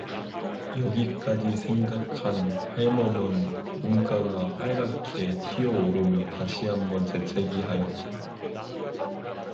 여기까지 생각한 할멈은 눈가가 빨갛게 튀어오르며 다시 한번 재채기를 하였다.